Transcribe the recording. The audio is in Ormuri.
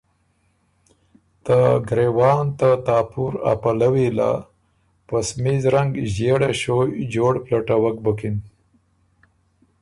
ته ګرېوان ته تاپُور ا پلوّي له په سمیز رنګ ݫيېړه ݭویٛ جوړ پلټوک بُکِن۔